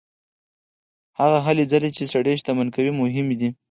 هغه هلې ځلې چې سړی شتمن کوي مهمې دي.